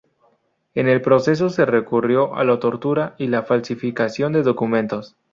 En el proceso se recurrió a la tortura y la falsificación de documentos.